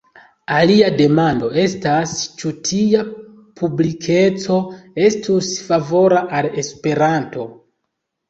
Alia demando estas, ĉu tia publikeco estus favora al Esperanto.